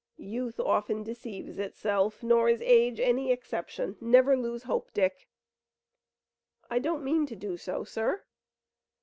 "Youth often deceives itself, nor is age any exception. Never lose hope, Dick." "I don't mean to do so, sir."